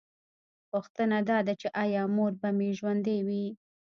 پوښتنه دا ده چې ایا مور به مې ژوندۍ وي